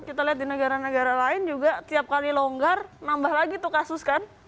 kita lihat di negara negara lain juga tiap kali longgar nambah lagi tuh kasus kan